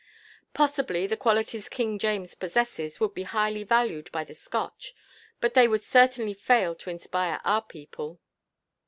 Possibly, the qualities King James possesses would be highly valued by the Scotch, but they would certainly fail to inspire our people."